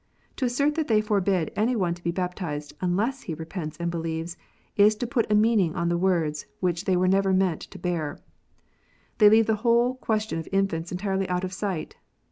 To assert that they forbid any one to be baptized unless he repents and believes, is to put a meaning on the words which they were never meant t< > bear. They leave the whole question of infants entirely out of sight.